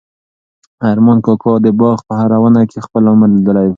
ارمان کاکا د باغ په هره ونه کې خپل عمر لیدلی شو.